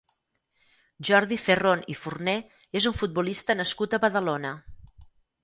Jordi Ferrón i Forné és un futbolista nascut a Badalona.